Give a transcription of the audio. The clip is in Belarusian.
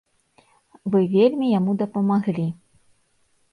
Вы вельмі яму дапамаглі.